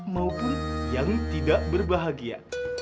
maupun yang tidak berbahagia